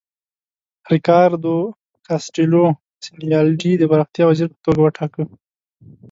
ریکاردو کاسټیلو سینیبالډي د پراختیا وزیر په توګه وټاکه.